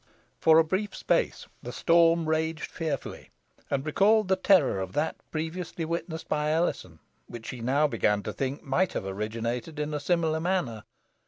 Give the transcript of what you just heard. For a brief space the storm raged fearfully, and recalled the terror of that previously witnessed by Alizon, which she now began to think might have originated in a similar manner.